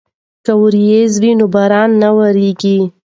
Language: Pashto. که وریځ وي نو باران نه وریږي.